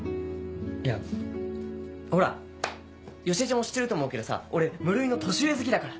いやほら良枝ちゃんも知ってると思うけどさ俺無類の年上好きだから。